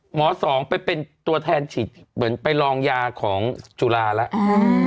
สองไปเป็นตัวแทนฉีดเหมือนไปลองยาของจุฬาแล้ว